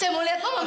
saya belum baik baik